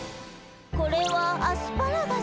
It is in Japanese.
「これはアスパラガス」